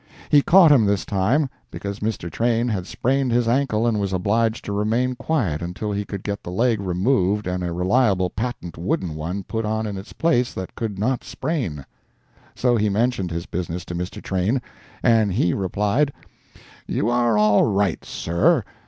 He caught him this time, because Mr. Train had sprained his ankle and was obliged to remain quiet until he could get the leg removed and a reliable patent wooden one put on in its place that could not sprain. So he mentioned his business to Mr. Train, and he replied: "You are all right, Sir.